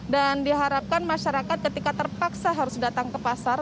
dan diharapkan masyarakat ketika terpaksa harus datang ke pasar